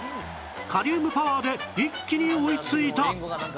カリウムパワーで一気に追いついた